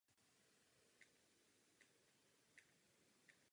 Tím se dostáváme k tématu daňových rájů.